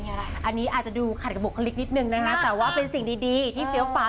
เป็นเวลาให้มันเยอะมากต้องกำลังเต้นไหมคะสวิตถ์นี่โกะ